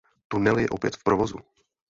Tunel je opět v provozu.